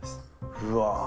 うわ。